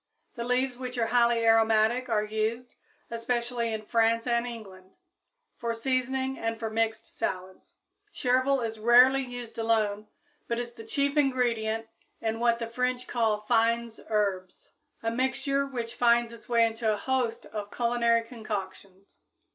The leaves, which are highly aromatic, are used, especially in France and England, for seasoning and for mixed salads. Chervil is rarely used alone, but is the chief ingredient in what the French call fines herbes, a mixture which finds its way into a host of culinary concoctions.